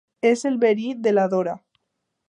És el verí de la Dora.